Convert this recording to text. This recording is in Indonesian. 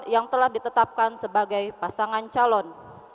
yang telah ditetapkan sebagai pasangan calon